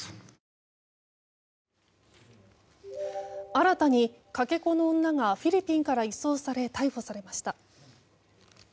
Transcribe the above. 新たにかけ子の女がフィリピンから移送され逮捕されました。